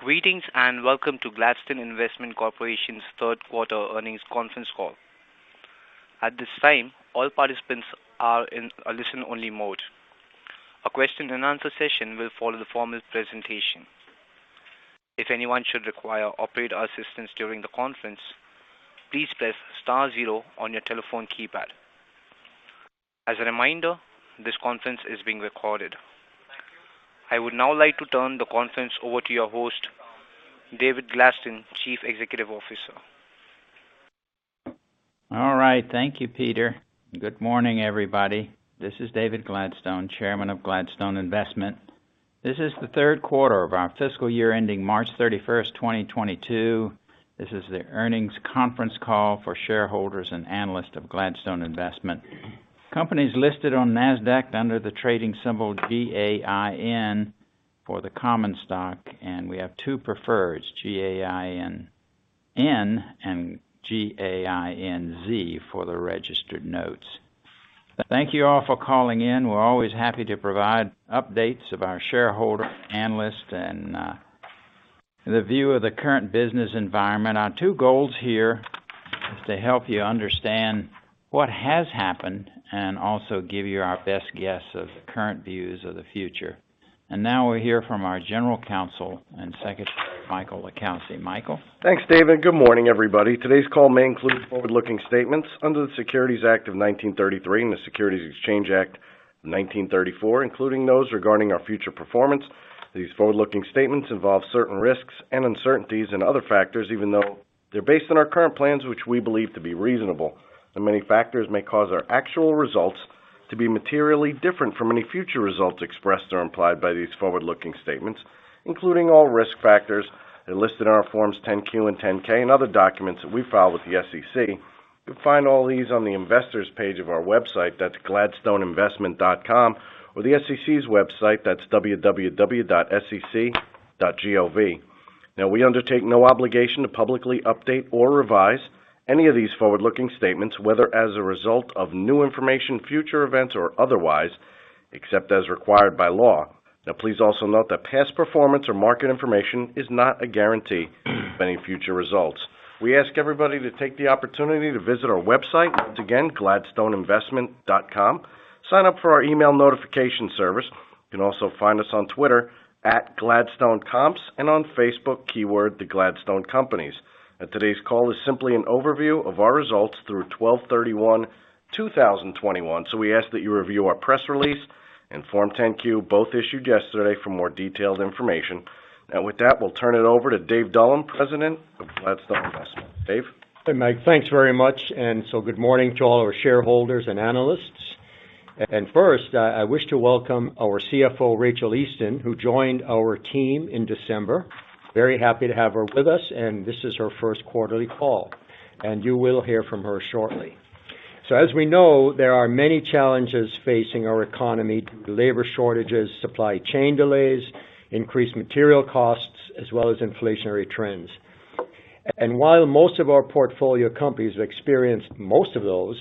Greetings, and welcome to Gladstone Investment Corporation's third quarter earnings conference call. At this time, all participants are in a listen-only mode. A question-and-answer session will follow the formal presentation. If anyone should require operator assistance during the conference, please press star zero on your telephone keypad. As a reminder, this conference is being recorded. I would now like to turn the conference over to your host, David Gladstone, Chief Executive Officer. All right. Thank you, Peter. Good morning, everybody. This is David Gladstone, Chairman of Gladstone Investment. This is the third quarter of our fiscal year ending March 31, 2022. This is the earnings conference call for shareholders and analysts of Gladstone Investment. Company's listed on Nasdaq under the trading symbol GAIN for the common stock, and we have two preferred, GAINN and GAINZ for the registered notes. Thank you all for calling in. We're always happy to provide updates of our shareholder, analysts, and the view of the current business environment. Our two goals here is to help you understand what has happened and also give you our best guess of the current views of the future. Now we'll hear from our General Counsel and Secretary, Michael LiCalsi. Michael. Thanks, David. Good morning, everybody. Today's call may include forward-looking statements under the Securities Act of 1933 and the Securities Exchange Act of 1934, including those regarding our future performance. These forward-looking statements involve certain risks and uncertainties and other factors even though they're based on our current plans, which we believe to be reasonable. Many factors may cause our actual results to be materially different from any future results expressed or implied by these forward-looking statements, including all risk factors listed in our Forms 10-Q and 10-K and other documents that we file with the SEC. You can find all these on the investors page of our website, that's gladstoneinvestment.com, or the SEC's website, that's www.sec.gov. We undertake no obligation to publicly update or revise any of these forward-looking statements, whether as a result of new information, future events, or otherwise, except as required by law. Please also note that past performance or market information is not a guarantee of any future results. We ask everybody to take the opportunity to visit our website. Once again, gladstoneinvestment.com. Sign up for our email notification service. You can also find us on Twitter, @GladstoneComps, and on Facebook, keyword, the Gladstone Companies. Today's call is simply an overview of our results through 12/31/2021. We ask that you review our press release and Form 10-Q, both issued yesterday, for more detailed information. With that, we'll turn it over to Dave Dullum, President of Gladstone Investment. Dave. Hey, Mike. Thanks very much. Good morning to all our shareholders and analysts. I wish to welcome our CFO, Rachael Easton, who joined our team in December. Very happy to have her with us, and this is her first quarterly call, and you will hear from her shortly. As we know, there are many challenges facing our economy, labor shortages, supply chain delays, increased material costs, as well as inflationary trends. While most of our portfolio companies experienced most of those,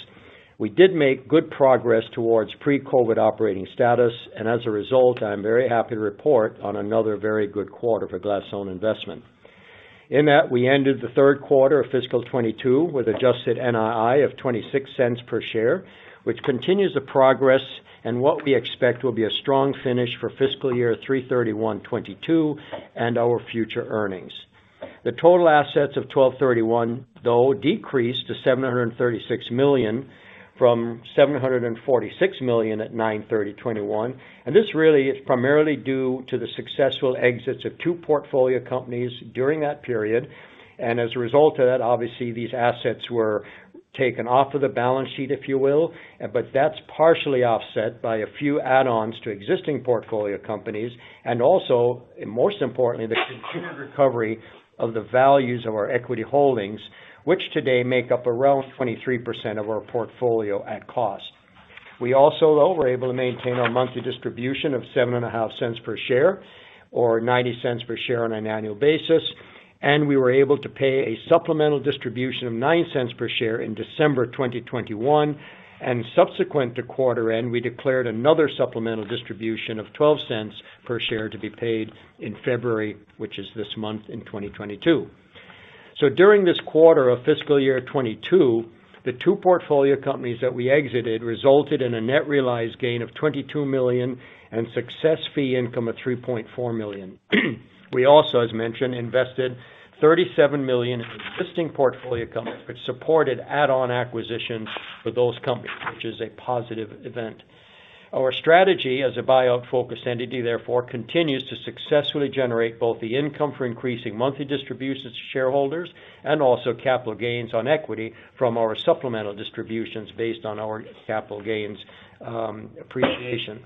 we did make good progress towards pre-COVID operating status. As a result, I'm very happy to report on another very good quarter for Gladstone Investment. In that, we ended the third quarter of fiscal 2022 with adjusted NII of $0.26 per share, which continues the progress in what we expect will be a strong finish for fiscal year 3/31/2022 and our future earnings. The total assets of 12/31, though, decreased to $736 million from $746 million at 9/30/2021. This really is primarily due to the successful exits of two portfolio companies during that period. As a result of that, obviously these assets were taken off of the balance sheet, if you will, but that's partially offset by a few add-ons to existing portfolio companies, and also, most importantly, the continued recovery of the values of our equity holdings, which today make up around 23% of our portfolio at cost. We also, though, were able to maintain our monthly distribution of $0.075 per share, or $0.90 per share on an annual basis. We were able to pay a supplemental distribution of $0.09 per share in December 2021. Subsequent to quarter end, we declared another supplemental distribution of $0.12 per share to be paid in February, which is this month in 2022. During this quarter of fiscal year 2022, the two portfolio companies that we exited resulted in a net realized gain of $22 million and success fee income of $3.4 million. We also, as mentioned, invested $37 million in existing portfolio companies, which supported add-on acquisitions for those companies, which is a positive event. Our strategy as a buyout-focused entity, therefore, continues to successfully generate both the income for increasing monthly distributions to shareholders and also capital gains on equity from our supplemental distributions based on our capital gains, appreciation.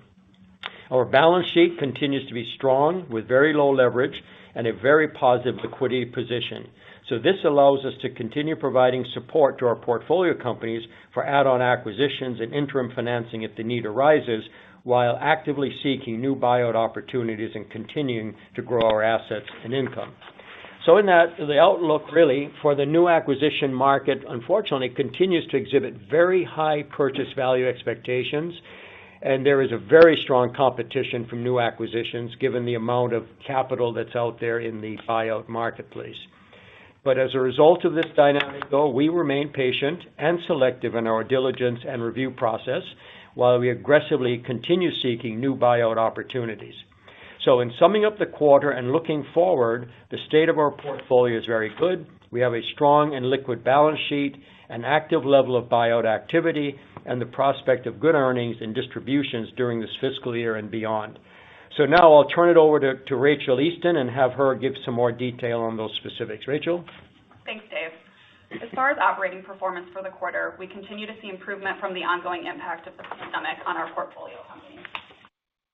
Our balance sheet continues to be strong with very low leverage and a very positive liquidity position. This allows us to continue providing support to our portfolio companies for add-on acquisitions and interim financing if the need arises, while actively seeking new buyout opportunities and continuing to grow our assets and income. In that, the outlook really for the new acquisition market unfortunately continues to exhibit very high purchase value expectations, and there is a very strong competition from new acquisitions given the amount of capital that's out there in the buyout marketplace. As a result of this dynamic, though, we remain patient and selective in our diligence and review process while we aggressively continue seeking new buyout opportunities. In summing up the quarter and looking forward, the state of our portfolio is very good. We have a strong and liquid balance sheet, an active level of buyout activity, and the prospect of good earnings and distributions during this fiscal year and beyond. Now I'll turn it over to Rachael Easton and have her give some more detail on those specifics. Rachael. Thanks, Dave. As far as operating performance for the quarter, we continue to see improvement from the ongoing impact of the pandemic on our portfolio companies.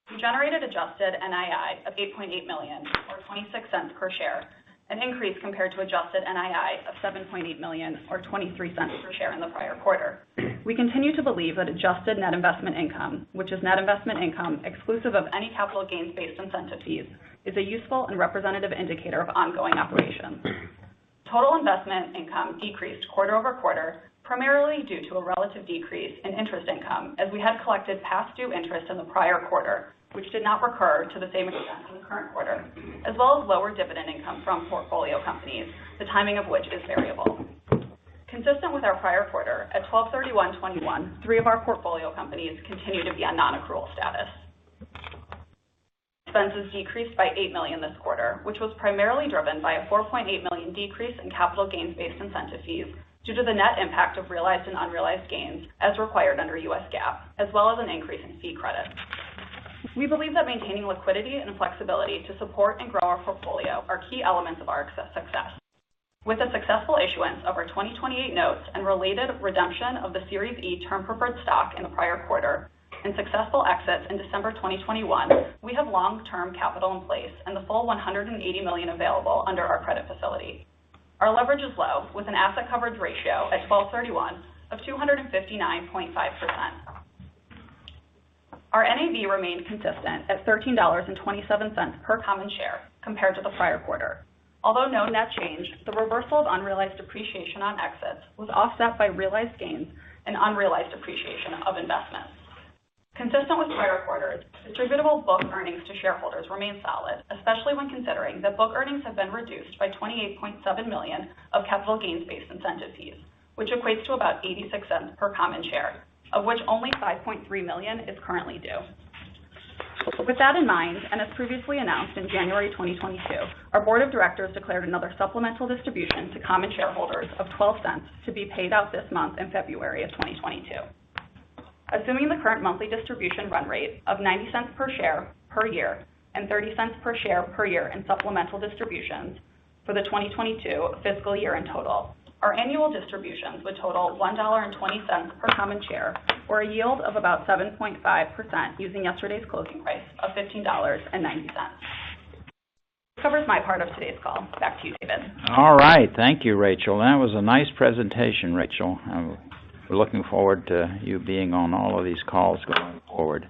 We generated adjusted NII of $8.8 million or $0.26 per share, an increase compared to adjusted NII of $7.8 million or $0.23 per share in the prior quarter. We continue to believe that adjusted net investment income, which is net investment income exclusive of any capital gains-based incentive fees, is a useful and representative indicator of ongoing operations. Total investment income decreased quarter-over-quarter, primarily due to a relative decrease in interest income, as we had collected past due interest in the prior quarter, which did not recur to the same extent in the current quarter, as well as lower dividend income from portfolio companies, the timing of which is variable. Consistent with our prior quarter, at 12/31/2021, three of our portfolio companies continue to be on non-accrual status. Expenses decreased by $8 million this quarter, which was primarily driven by a $4.8 million decrease in capital gains-based incentive fees due to the net impact of realized and unrealized gains as required under US GAAP, as well as an increase in fee credit. We believe that maintaining liquidity and flexibility to support and grow our portfolio are key elements of our success. With the successful issuance of our 2028 Notes and related redemption of the Series E term preferred stock in the prior quarter and successful exits in December 2021, we have long-term capital in place and the full $180 million available under our credit facility. Our leverage is low, with an asset coverage ratio at 12/31 of 259.5%. Our NAV remained consistent at $13.27 per common share compared to the prior quarter. Although no net change, the reversal of unrealized depreciation on exits was offset by realized gains and unrealized appreciation of investments. Consistent with prior quarters, distributable book earnings to shareholders remain solid, especially when considering that book earnings have been reduced by $28.7 million of capital gains-based incentive fees, which equates to about $0.86 per common share, of which only $5.3 million is currently due. With that in mind, and as previously announced in January 2022, our board of directors declared another supplemental distribution to common shareholders of $0.12 to be paid out this month in February 2022. Assuming the current monthly distribution run rate of $0.90 per share per year and $0.30 per share per year in supplemental distributions for the 2022 fiscal year in total, our annual distributions would total $1.20 per common share or a yield of about 7.5% using yesterday's closing price of $15.90. That covers my part of today's call. Back to you, David. All right. Thank you, Rachael. That was a nice presentation, Rachael. I'm looking forward to you being on all of these calls going forward.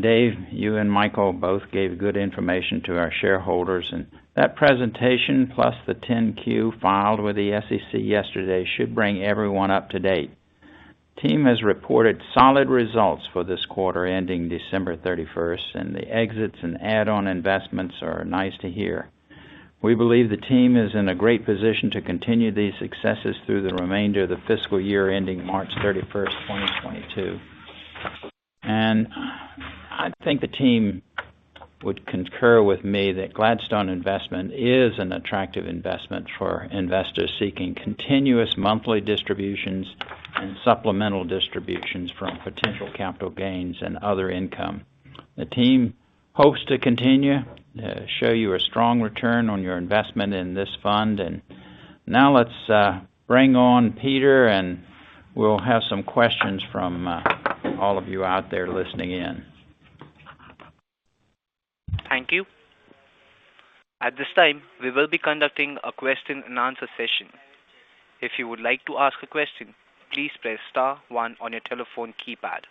Dave, you and Michael both gave good information to our shareholders. That presentation plus the 10-Q filed with the SEC yesterday should bring everyone up to date. The team has reported solid results for this quarter ending December 31, and the exits and add-on investments are nice to hear. We believe the team is in a great position to continue these successes through the remainder of the fiscal year ending March 31, 2022. I think the team would concur with me that Gladstone Investment is an attractive investment for investors seeking continuous monthly distributions and supplemental distributions from potential capital gains and other income. The team hopes to continue to show you a strong return on your investment in this fund. Now let's bring on Peter, and we'll have some questions from all of you out there listening in. Thank you. At this time, we will be conducting a question and answer session. If you would like to ask a question, please press star one on your telephone keypad.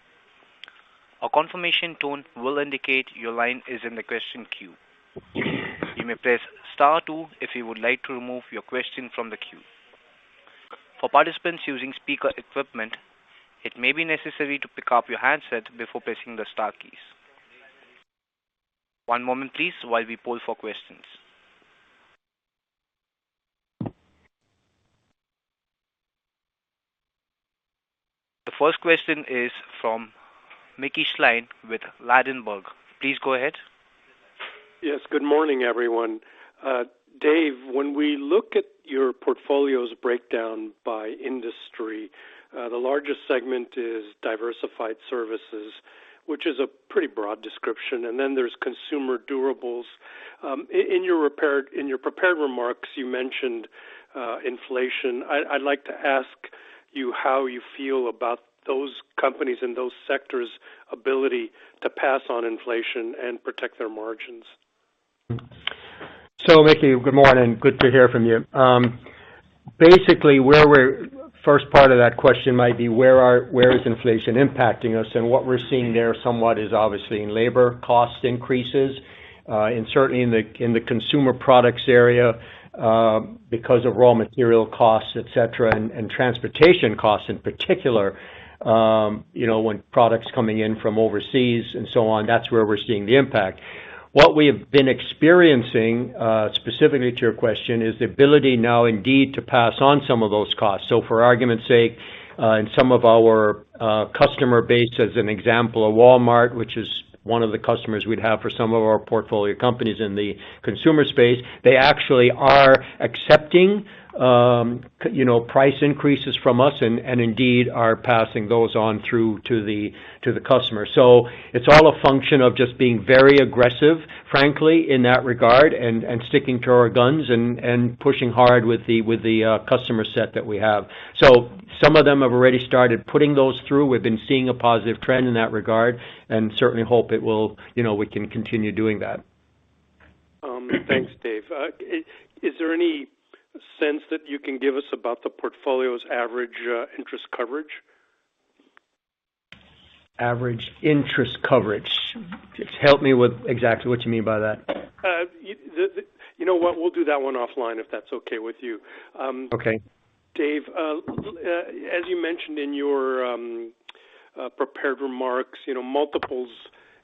A confirmation tone will indicate your line is in the question queue. You may press star two if you would like to remove your question from the queue. For participants using speaker equipment, it may be necessary to pick up your handset before pressing the star keys. One moment, please, while we poll for questions. The first question is from Mickey Schleien with Ladenburg. Please go ahead. Yes, good morning, everyone. Dave, when we look at your portfolio's breakdown by industry, the largest segment is diversified services, which is a pretty broad description, and then there's consumer durables. In your prepared remarks, you mentioned inflation. I'd like to ask you how you feel about those companies and those sectors' ability to pass on inflation and protect their margins. Mickey, good morning. Good to hear from you. Basically, first part of that question might be where is inflation impacting us? What we're seeing there somewhat is obviously in labor cost increases and certainly in the consumer products area because of raw material costs, et cetera, and transportation costs in particular, you know, when products coming in from overseas and so on, that's where we're seeing the impact. What we have been experiencing, specifically to your question, is the ability now indeed to pass on some of those costs. For argument's sake, in some of our customer base, as an example, a Walmart, which is one of the customers we'd have for some of our portfolio companies in the consumer space, they actually are accepting, you know, price increases from us and indeed are passing those on through to the customer. It's all a function of just being very aggressive, frankly, in that regard and sticking to our guns and pushing hard with the customer set that we have. Some of them have already started putting those through. We've been seeing a positive trend in that regard and certainly hope it will. You know, we can continue doing that. Thanks, Dave. Is there any sense that you can give us about the portfolio's average interest coverage? Average interest coverage. Help me with exactly what you mean by that. You know what, we'll do that one offline, if that's okay with you. Okay. Dave, as you mentioned in your prepared remarks, you know,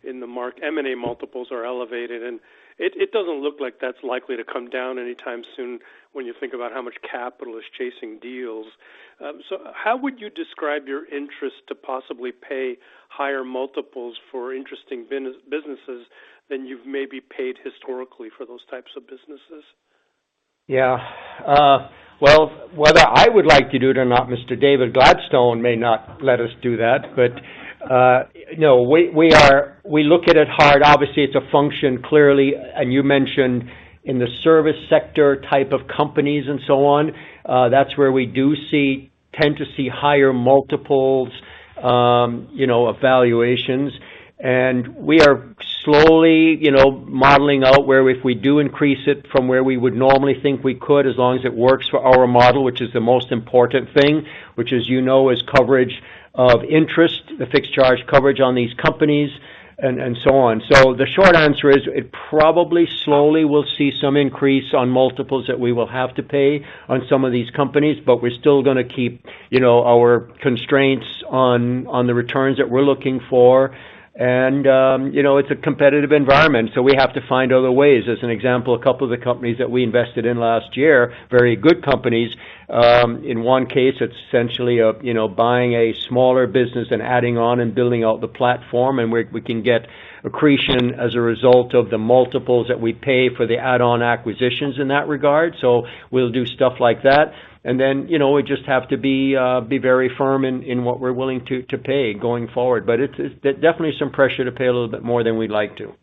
M&A multiples are elevated, and it doesn't look like that's likely to come down anytime soon when you think about how much capital is chasing deals. So how would you describe your interest to possibly pay higher multiples for interesting businesses than you've maybe paid historically for those types of businesses? Yeah. Well, whether I would like to do it or not, Mr. David Gladstone may not let us do that. You know, we look at it hard. Obviously, it's a function, clearly, and you mentioned in the service sector type of companies and so on, that's where we tend to see higher multiples, you know, valuations. We are slowly, you know, modeling out where if we do increase it from where we would normally think we could, as long as it works for our model, which is the most important thing, which, as you know, is coverage of interest, the fixed charge coverage on these companies and so on. The short answer is it probably slowly will see some increase on multiples that we will have to pay on some of these companies, but we're still gonna keep, you know, our constraints on the returns that we're looking for. You know, it's a competitive environment, so we have to find other ways. As an example, a couple of the companies that we invested in last year, very good companies, in one case, it's essentially a you know buying a smaller business and adding on and building out the platform, and we can get accretion as a result of the multiples that we pay for the add-on acquisitions in that regard. We'll do stuff like that. You know, we just have to be very firm in what we're willing to pay going forward. It's definitely some pressure to pay a little bit more than we'd like to.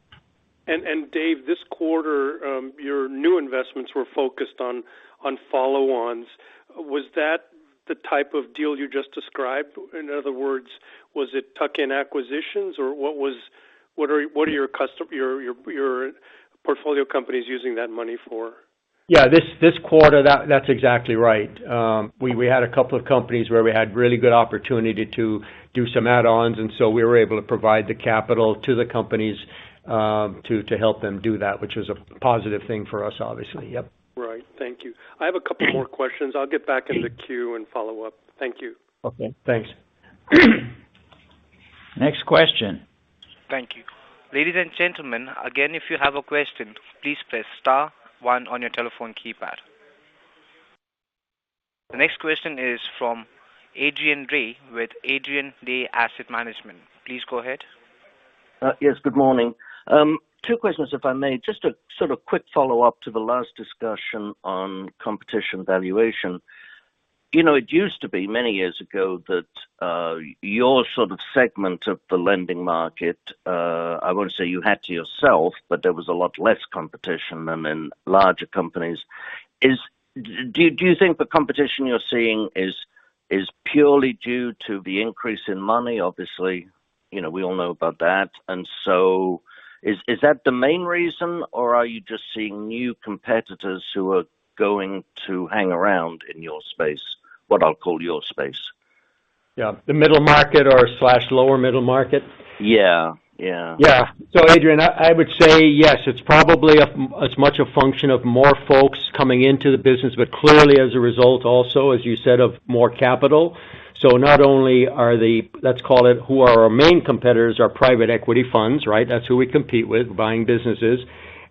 Dave, this quarter, your new investments were focused on follow-ons. Was that the type of deal you just described? In other words, was it tuck-in acquisitions or what are your portfolio companies using that money for? Yeah. This quarter, that's exactly right. We had a couple of companies where we had really good opportunity to do some add-ons, and so we were able to provide the capital to the companies to help them do that, which was a positive thing for us, obviously. Yep. Right. Thank you. I have a couple more questions. I'll get back in the queue and follow up. Thank you. Okay, thanks. Next question. Thank you. Ladies and gentlemen, again, if you have a question, please press star one on your telephone keypad. The next question is from Adrian Day with Adrian Day Asset Management. Please go ahead. Yes, good morning. Two questions, if I may. Just a sort of quick follow-up to the last discussion on competition valuation. You know, it used to be many years ago that your sort of segment of the lending market, I won't say you had to yourself, but there was a lot less competition than in larger companies. Do you think the competition you're seeing is purely due to the increase in money? Obviously, you know, we all know about that. Is that the main reason, or are you just seeing new competitors who are going to hang around in your space, what I'll call your space? Yeah. The middle market or slash lower middle market? Yeah. Yeah. Yeah. Adrian, I would say yes, it's probably as much a function of more folks coming into the business, but clearly as a result also, as you said, of more capital. Not only are they, let's call it who are our main competitors, are private equity funds, right? That's who we compete with buying businesses.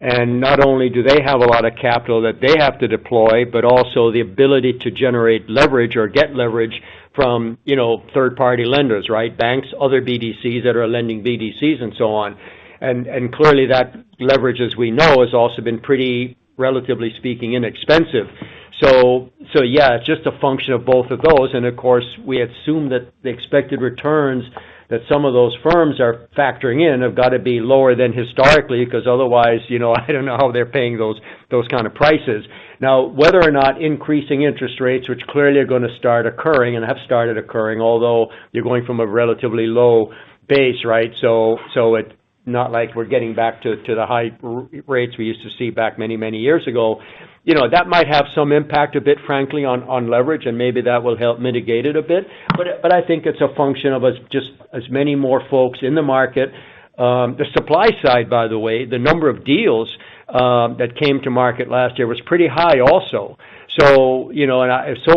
They have a lot of capital that they have to deploy, but also the ability to generate leverage or get leverage from, you know, third-party lenders, right? Banks, other BDCs that are lending BDCs and so on. Clearly that leverage, as we know, has also been pretty, relatively speaking, inexpensive. Yeah, it's just a function of both of those. Of course, we assume that the expected returns that some of those firms are factoring in have got to be lower than historically, 'cause otherwise, you know, I don't know how they're paying those kind of prices. Now, whether or not increasing interest rates, which clearly are gonna start occurring and have started occurring, although you're going from a relatively low base, right? So it's not like we're getting back to the high rates we used to see back many years ago. You know, that might have some impact a bit, frankly, on leverage, and maybe that will help mitigate it a bit. But I think it's a function of just as many more folks in the market. The supply side, by the way, the number of deals that came to market last year was pretty high also. So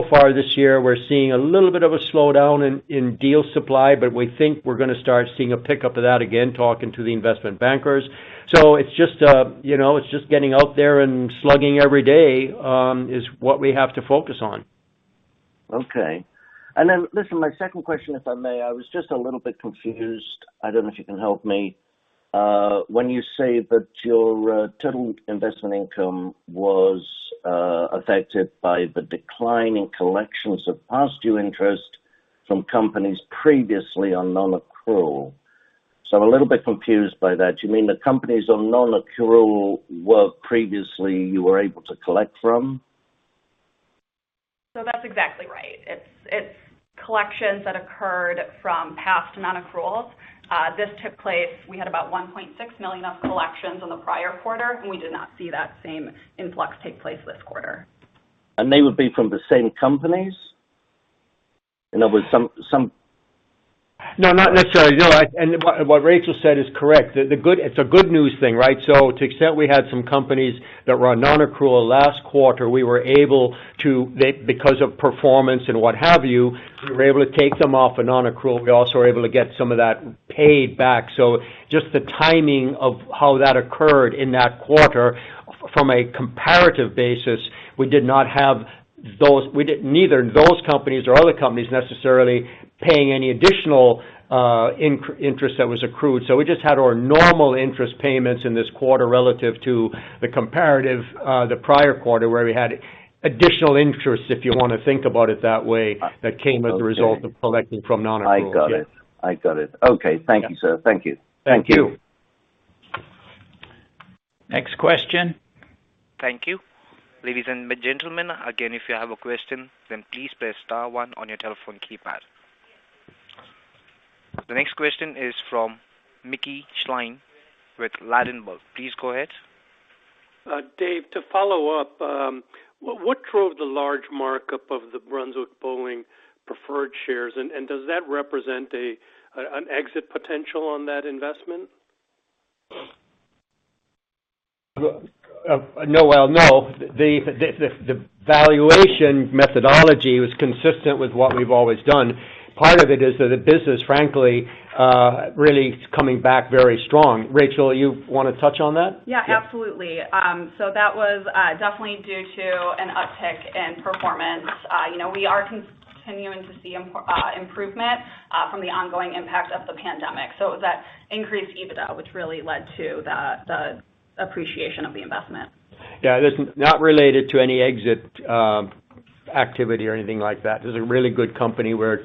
far this year, we're seeing a little bit of a slowdown in deal supply, but we think we're gonna start seeing a pickup of that again, talking to the investment bankers. It's just, you know, getting out there and slugging every day is what we have to focus on. Okay. Listen, my second question, if I may. I was just a little bit confused. I don't know if you can help me. When you say that your total investment income was affected by the decline in collections of past due interest from companies previously on non-accrual. I'm a little bit confused by that. Do you mean the companies on non-accrual were previously you were able to collect from? That's exactly right. It's collections that occurred from past non-accruals. This took place. We had about $1.6 million of collections in the prior quarter, and we did not see that same influx take place this quarter. They would be from the same companies? In other words, some No, not necessarily. No. What Rachael said is correct. It's a good news thing, right? To the extent we had some companies that were on non-accrual last quarter, we were able to take them off of non-accrual because of performance and what have you. We also were able to get some of that paid back. Just the timing of how that occurred in that quarter from a comparative basis, we did not have those neither those companies or other companies necessarily paying any additional accrued interest that was accrued. We just had our normal interest payments in this quarter relative to the comparative, the prior quarter, where we had additional interest, if you wanna think about it that way, that came as a result of collecting from non-accrual. I got it. Okay. Thank you, sir. Thank you. Thank you. Thank you. Next question. Thank you. Ladies and gentlemen, again, if you have a question, then please press star one on your telephone keypad. The next question is from Mickey Schleien with Ladenburg. Please go ahead. Dave, to follow up, what drove the large markup of the Brunswick Bowling preferred shares? Does that represent an exit potential on that investment? Well, no. The valuation methodology was consistent with what we've always done. Part of it is that the business, frankly, really is coming back very strong. Rachael, you wanna touch on that? Yeah, absolutely. That was definitely due to an uptick in performance. You know, we are continuing to see improvement from the ongoing impact of the pandemic. That increased EBITDA, which really led to the appreciation of the investment. Yeah. This is not related to any exit activity or anything like that. This is a really good company. We're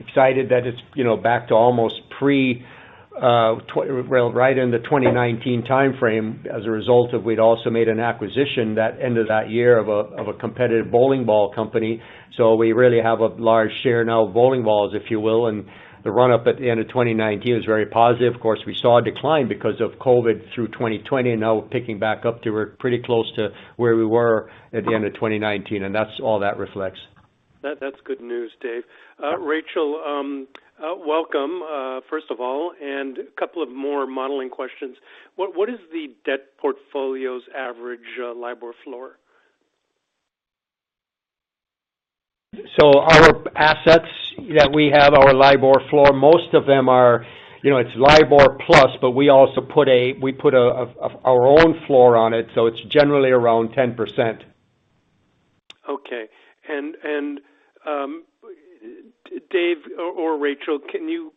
excited that it's, you know, back to almost pre-2019 well, right in the 2019 timeframe as a result of we'd also made an acquisition at the end of that year of a competitive bowling ball company. We really have a large share now of bowling balls, if you will, and the run-up at the end of 2019 was very positive. Of course, we saw a decline because of COVID through 2020, and now we're picking back up to where we're pretty close to where we were at the end of 2019, and that's all that reflects. That's good news, Dave. Rachael, welcome, first of all, and a couple of more modeling questions. What is the debt portfolio's average LIBOR floor? Our assets that we have our LIBOR floor, most of them are, you know, it's LIBOR plus, but we also put our own floor on it, so it's generally around 10%. Okay. Dave or Rachael, can you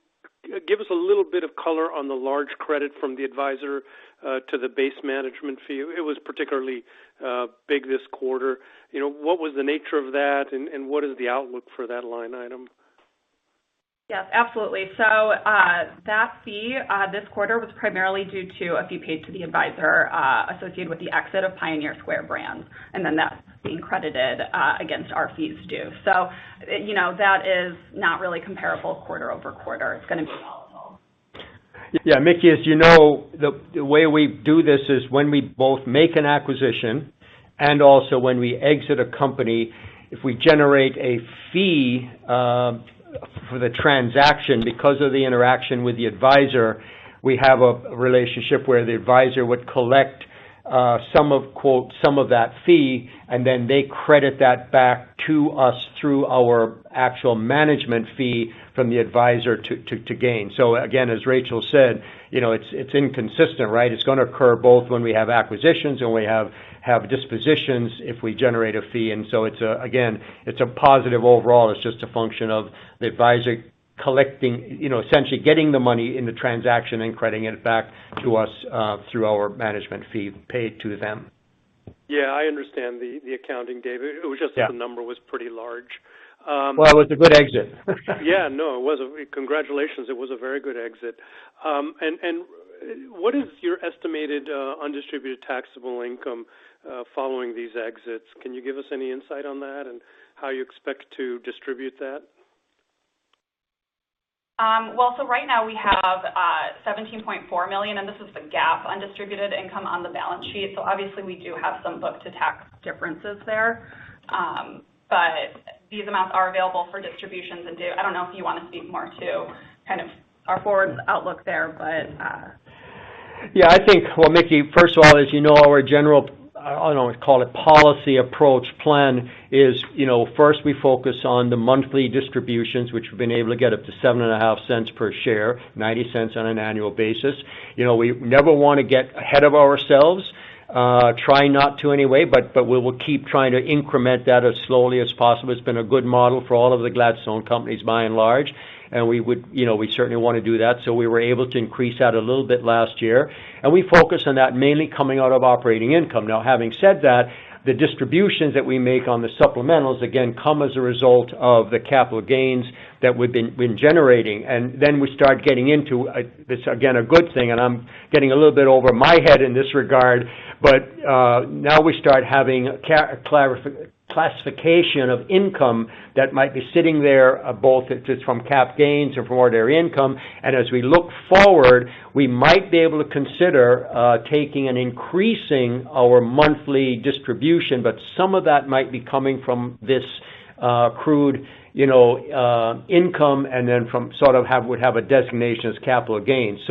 give us a little bit of color on the large credit from the advisor to the base management fee? It was particularly big this quarter. You know, what was the nature of that, and what is the outlook for that line item? Yes, absolutely. That fee this quarter was primarily due to a fee paid to the advisor associated with the exit of Pioneer Square Brands, and then that's being credited against our fees due. You know, that is not really comparable quarter over quarter. It's gonna be volatile. Yeah. Mickey, as you know, the way we do this is when we both make an acquisition and also when we exit a company, if we generate a fee for the transaction because of the interaction with the advisor, we have a relationship where the advisor would collect some of that fee, and then they credit that back to us through our actual management fee from the advisor to GAIN. So again, as Rachael said, you know, it's inconsistent, right? It's gonna occur both when we have acquisitions and we have dispositions if we generate a fee. It's a positive overall. It's just a function of the advisor collecting, you know, essentially getting the money in the transaction and crediting it back to us through our management fee paid to them. Yeah, I understand the accounting, Dave. It was just that the number was pretty large. Well, it was a good exit. Yeah, no, it was. Congratulations. It was a very good exit. And what is your estimated undistributed taxable income following these exits? Can you give us any insight on that and how you expect to distribute that? Well, right now we have $17.4 million, and this is the GAAP undistributed income on the balance sheet. Obviously we do have some book to tax differences there. These amounts are available for distributions and due. I don't know if you wanna speak more to kind of our forward outlook there, but. Yeah, I think, well, Mickey, first of all, as you know, our general, I don't know what to call it, policy approach plan is, you know, first we focus on the monthly distributions, which we've been able to get up to $0.075 per share, $0.90 on an annual basis. You know, we never wanna get ahead of ourselves, try not to anyway, but we will keep trying to increment that as slowly as possible. It's been a good model for all of the Gladstone Companies by and large. We would, you know, we certainly wanna do that. We were able to increase that a little bit last year. We focus on that mainly coming out of operating income. Now, having said that, the distributions that we make on the supplementals, again, come as a result of the capital gains that we've been generating. Then we start getting into this. This, again, a good thing, and I'm getting a little bit over my head in this regard, but now we start having classification of income that might be sitting there, both if it's from cap gains or from ordinary income. As we look forward, we might be able to consider taking and increasing our monthly distribution, but some of that might be coming from this accrued, you know, income and then from sort of would have a designation as capital gains.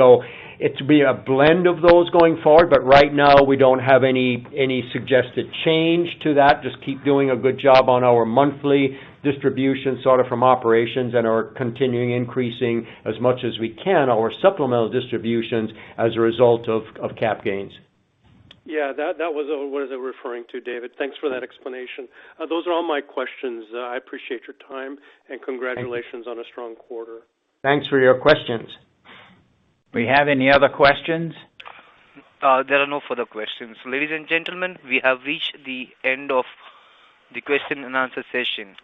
It's be a blend of those going forward, but right now we don't have any suggested change to that. Just keep doing a good job on our monthly distribution, sort of from operations and are continuing increasing as much as we can our supplemental distributions as a result of cap gains. Yeah. That was all what I was referring to, David. Thanks for that explanation. Those are all my questions. I appreciate your time, and congratulations. Thank you. on a strong quarter. Thanks for your questions. We have any other questions? There are no further questions. Ladies and gentlemen, we have reached the end of the question and answer session,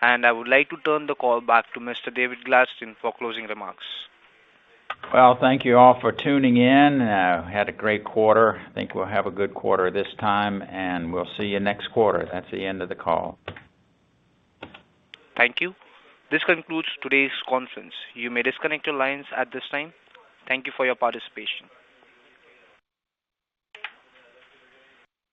and I would like to turn the call back to Mr. David Gladstone for closing remarks. Well, thank you all for tuning in. Had a great quarter. Think we'll have a good quarter this time, and we'll see you next quarter. That's the end of the call. Thank you. This concludes today's conference. You may disconnect your lines at this time. Thank you for your participation.